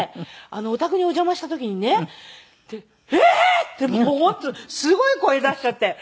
お宅にお邪魔した時にね「ええー！？」ってもう本当すごい声出しちゃって。